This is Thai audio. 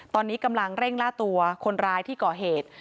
ตอนนี้กำลังเร่งล่าตัวคนร้ายที่ก่อเหตุ